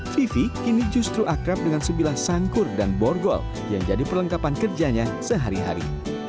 vivi kini justru akrab dengan sebilah sangkur dan borgol yang jadi perlengkapan kerjanya sehari hari